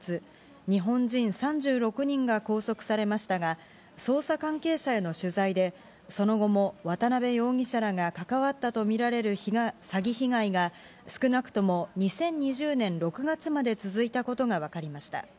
日本人３６人が拘束されましたが、捜査関係者への取材で、その後も渡辺容疑者らが関わったと見られる詐欺被害が、少なくとも２０２０年６月まで続いたことが分かりました。